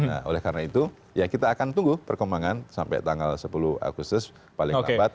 nah oleh karena itu ya kita akan tunggu perkembangan sampai tanggal sepuluh agustus paling lambat